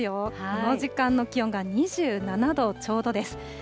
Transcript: この時間の気温が２７度ちょうどです。